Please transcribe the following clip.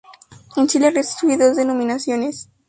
En Chile recibe dos denominaciones.